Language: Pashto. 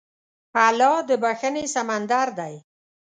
الله د بښنې سمندر دی.